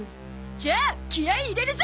じゃあ気合入れるゾ！